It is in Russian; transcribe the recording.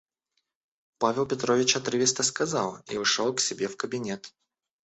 Павел Петрович отрывисто сказал и ушел к себе в кабинет.